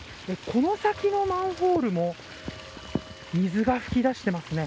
この先のマンホールも水が噴き出していますね。